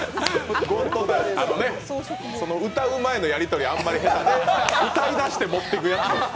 歌う前のやり取りあんまり下手で歌い出してもってくやつ。